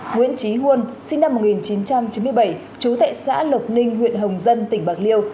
nguyễn trí huân sinh năm một nghìn chín trăm chín mươi bảy chú tại xã lộc ninh huyện hồng dân tỉnh bạc liêu